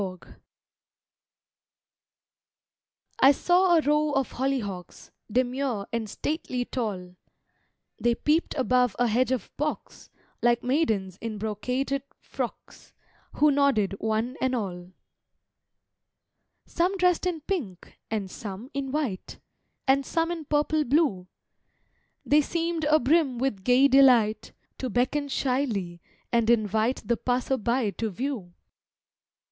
HOLLYHOCKS I saw a row of hollyhocks, Demure and stately tall, They peep'd above a hedge of box, Like maidens in brocaded frocks, Who nodded one and all. Some dress'd in pink, and some in white, And some in purple blue, They seemed abrim with gay delight, To beckon shyly, and invite The passer by to view.